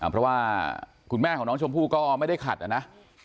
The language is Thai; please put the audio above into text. เพราะว่าคุณแม่ของน้องชมพู่ก็ไม่ได้ขัดนะ